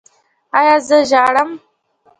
ایا زه ژاړم؟